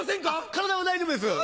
体は大丈夫です。